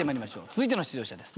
続いての出場者です。